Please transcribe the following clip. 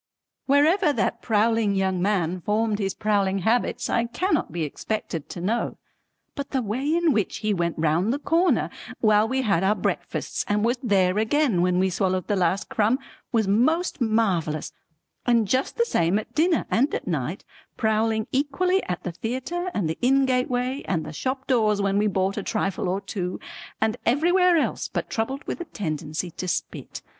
Wherever that prowling young man formed his prowling habits I cannot be expected to know, but the way in which he went round the corner while we had our breakfasts and was there again when we swallowed the last crumb was most marvellous, and just the same at dinner and at night, prowling equally at the theatre and the inn gateway and the shop doors when we bought a trifle or two and everywhere else but troubled with a tendency to spit.